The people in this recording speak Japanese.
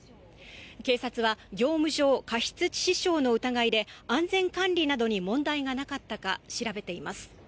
警察は業務上過失致死傷の疑いで安全管理などに問題がなかったか調べています。